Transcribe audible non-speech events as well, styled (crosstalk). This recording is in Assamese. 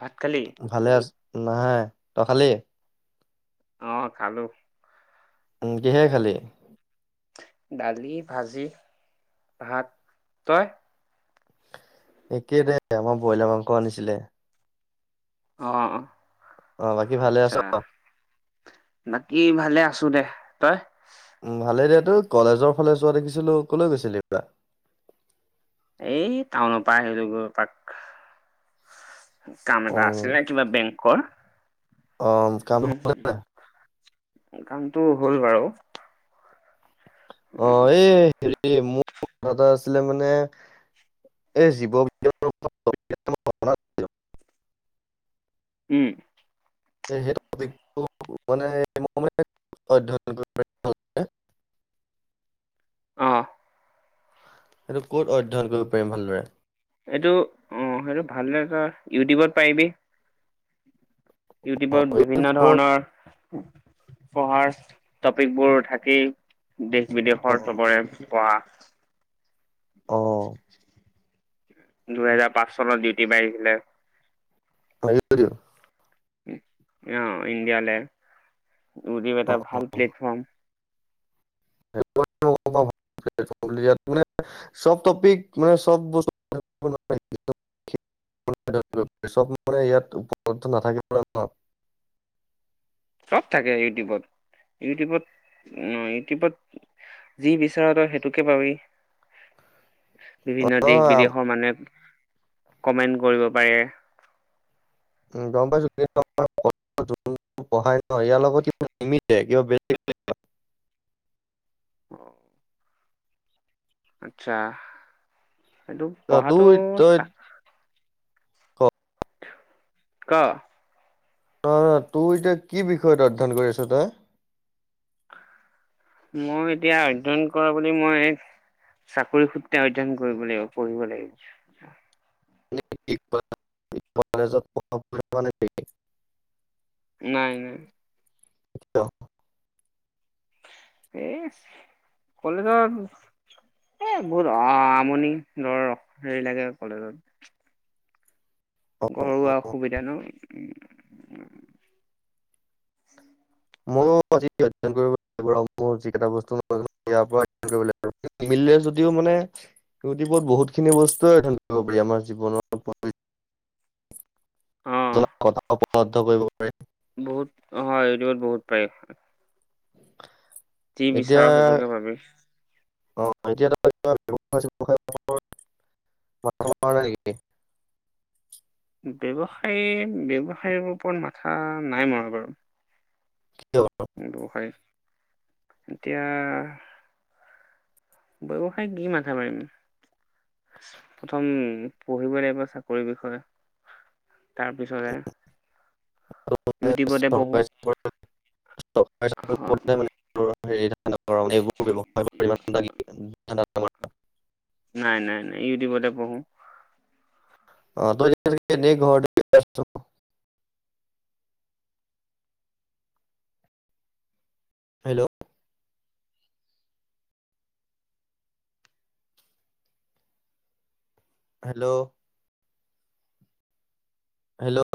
ভাত খালি? ভালে আছ নহয় তই খালি? অ খালো। কিহে খালি? দালি, ভাজি, ভাত তই? একেই দে, আমাৰ ব্ৰইলাৰ মাংস আনিছিলে। অ অ বাকী ভালে আছ আচ্ছা, বাকী ভালে আ আছো দে তই? উম ভালেই দিয়া তই কলেজৰ ফালে যোৱা দেখিছিলো কলৈ গৈছিলি ত (inaudible) এই টাউনৰ পৰা আহিলোঁ গৈ পাক কাম অ এটা আছিলে ন কিবা বেংকৰ। অ কাম উম, হলে নাই? কামটো হ'ল বাৰু। অ এই এ মোৰ কথা এটা আছিলে মানে এই জীৱ (inaudible) (unintelligible) উম। সেইটো মানে অধ্যয়ন (unintelligible) (inaudible) অ। সেইটো ক'ত অধ্যয়ন কৰিব পাৰিম ভালদৰে? এইটো অ সেইটো ভাল নে তই ইউটিউবত পাৰিবি অ ইউটিউবত বিভিন্ন ইউটিউবত? ধৰণৰ পঢ়াৰ টপিকবোৰ থাকেই, দেশ- অ বিদেশৰ চবৰে পঢ়া (inaudible) অ। দুহেজাৰ পাঁচ চনত ডিউটি মাৰিছিলে। (unintelligible) অ ইণ্ডিয়ালে, ইউটিউব অ, এটা ভাল অ। প্লেটফৰ্ম। (unintelligible) (inaudible) চব টপিক মানে চব বস্তু (unintelligible) (unintelligible) চব মানে ইয়াত উপলব্ধ নাথাকিবলৈ (inaudible) চব থাকে ইউটিউবত, ইউটিউবত অ ইউটিউবত যি বিচৰা তই সেইটোকে পাবি। (inaudible) বিভিন্ন দেশ- বিদেশৰ মানুহে, কমেণ্ট কৰিব পাৰে। উ গম পাইছোঁ (unintelligible) পঢ়াই ন ইয়াৰ লগত কিবা নিমিলে (unintelligible) অ আচ্ছা কিন্তু বেলেগ পঢ়াটো তোৰ তই ক ক অ তোৰ এতিয়া কি বিষয়ত অধ্যয়ন কৰি আছ তই মই এতিয়া অধ্যয়ন কৰা বুলি মই চাকৰি সূত্ৰে অধ্যয়ন কৰিব লাগিব পঢ়িব লাগিব কলেজত (unintelligible) নাই নাই (unintelligible) এই কলেজত এ বহুত আমনি ধৰ হেৰি লাগে কলেজত ঘৰুৱা অসুবিধা নো মইয়ো আজি অধ্যয়ন কৰিব লাগিব মোৰ যিকেইটা বস্তু ইয়াৰ পৰা অধ্যয়ন কৰিব লাগিব মিললে যদিও মানে ইউটিউবত বহুতখিনি বস্তুৱে ধৰিব পাৰি আমাৰ জীৱনৰ অ কথা উপলব্ধ কৰিব পাৰি বহুত অ ইউটিউবত বহুত পাৰি কি এতিয়া বিচাৰো সেইটোকে পাবি অ এতিয়া তাৰ (unintelligible) (unintelligible) ব্যৱসায় ব্যৱসায় ওপৰত মাথা নাই মৰা বাৰু কিয় ব্যৱসায় এতিয়া ব্যৱসায় কি মাথা মাৰিম প্ৰথম পঢ়িব লাগিব চাকৰিৰ বিষয়ে তাৰপিছত ম (unintelligible) হে ধ অ এইবোৰ ব্যৱসায় ইমান ল ধম (unintelligible) নাই নাই নাই ইউটিউবতে পঢ়ো অ ঘ (unintelligible) (inaudible) হেল্ল'! Hello hello!